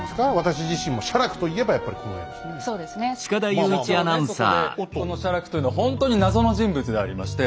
この写楽というのはほんとに謎の人物でありまして。